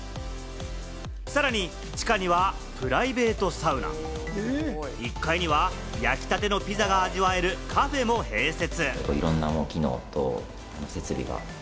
さらに地下にはプライベートサウナ、１階には焼きたてのピザが味わえるカフェも併設。